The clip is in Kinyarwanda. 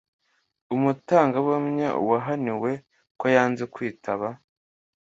Umutangabuhamya wahaniwe ko yanze kwitaba